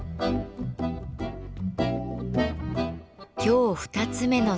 今日２つ目の壺